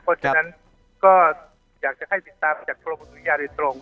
เพราะฉะนั้นก็อยากจะให้ติดตามจากกรมอุตุยาโดยตรง